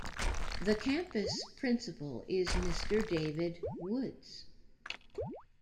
The Campus Principal is Mr David Woods.